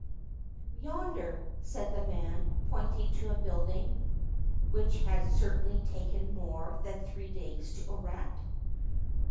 'Yonder,' said the man, pointing to a building which had certainly taken more than three days to erect.